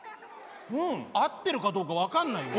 合ってるかどうか分かんないんだけど。